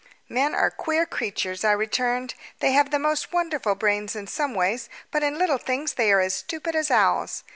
"Men are queer creatures," I returned. "They have the most wonderful brains in some ways, but in little things they are as stupid as owls.